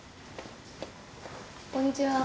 こんにちは。